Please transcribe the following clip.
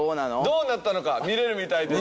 どうなったのか見れるみたいです。